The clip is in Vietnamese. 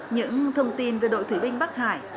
những thông tin về đội thủy binh bắc hải